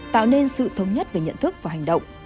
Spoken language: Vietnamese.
tạo nên sự thống nhất về nhận thức và hành động